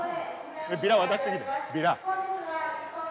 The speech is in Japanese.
ビラ渡してきて、ビラ。